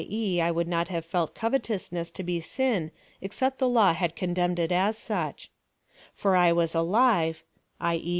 e. I would not have felt covetousness to be sin, except the law had condemned it as such :) For I was alive, (i. e.